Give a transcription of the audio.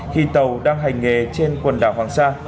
khi tàu đang hành nghề trên quần đảo hoàng sa